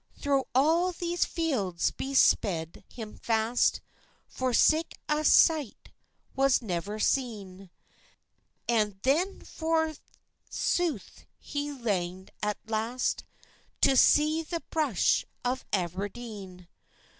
Throw all these feilds be sped him fast, For sic a sicht was never sene; And then, forsuith, he langd at last To se the bruch of Aberdene.